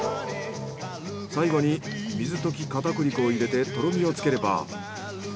最後に水溶き片栗粉を入れてとろみをつければ。